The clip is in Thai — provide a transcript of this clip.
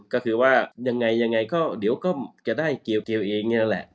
ก็คือว่ายังไงยังไงก็เดี๋ยวก็จะได้เกียวเองนี่แหละ